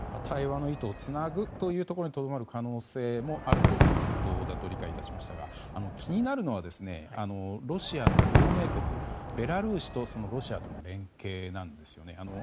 対話の糸をつなぐというところにとどまる可能性もあるということだと理解致しましたが気になるのは、ロシアの同盟国ベラルーシとロシアとの連携です。